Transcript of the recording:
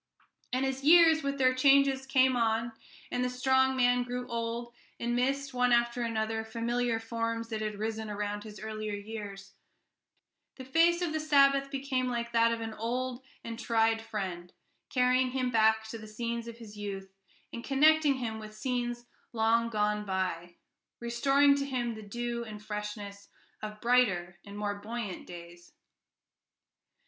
And as years, with their changes, came on, and the strong man grew old, and missed, one after another, familiar forms that had risen around his earlier years, the face of the Sabbath became like that of an old and tried friend, carrying him back to the scenes of his youth, and connecting him with scenes long gone by, restoring to him the dew and freshness of brighter and more buoyant days.